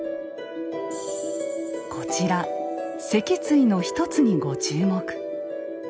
こちら脊椎の１つにご注目。